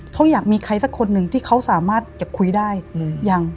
เขาอยากมีใครสักคนหนึ่งที่เขาสามารถจะคุยได้ยัง